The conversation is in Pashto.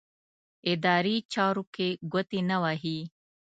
اداري چارو کې ګوتې نه وهي.